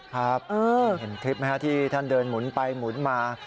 ครับเห็นคลิปไหมฮะที่ท่านเดินหมุนไปหมุนมา